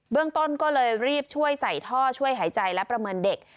เรื่องต้นก็เลยรีบช่วยใส่ท่อช่วยหายใจและประเมินเด็ก